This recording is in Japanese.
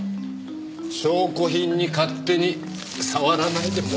証拠品に勝手に触らないでもらえますか！